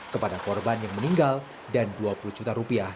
kepada korban yang meninggal dan dua puluh juta rupiah